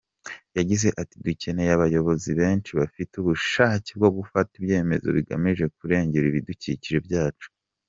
Yagize ati “Dukeneye abayobozi benshi bafite ubushake bwo gufata ibyemezo bigamije kurengera ibidukikije byacu.